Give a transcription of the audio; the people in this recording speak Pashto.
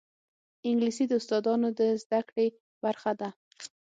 انګلیسي د استاذانو د زده کړې برخه ده